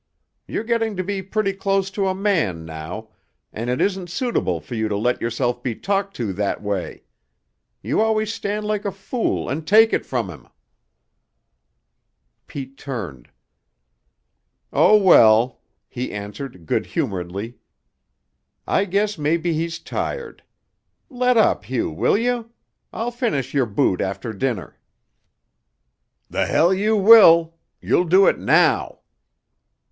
You're getting to be pretty close to a man now, and it isn't suitable for you to let yourself be talked to that way. You always stand like a fool and take it from him." Pete turned. "Oh, well," he answered good humoredly, "I guess maybe he's tired. Let up, Hugh, will you? I'll finish your boot after dinner." "The hell you will! You'll do it now!"